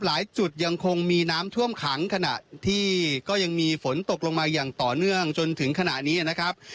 หลายจุดยังคงมีน้ำท่วมขังขณะที่ก็ยังมีฝนตกลงมาอย่างต่อเนื่องจนถึงขณะนี้นะครับ